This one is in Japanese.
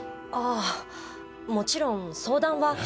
あぁもちろん相談は。